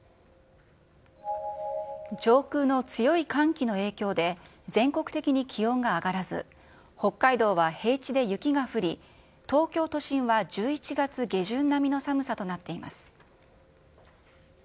上空の強い寒気の影響で、全国的に気温が上がらず、北海道は平地で雪が降り、東京都心は１１月下旬並みの寒さとなっています。